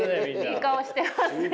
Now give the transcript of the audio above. いい顔してますね。